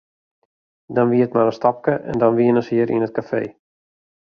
Dan wie it mar in stapke en dan wienen se hjir yn it kafee.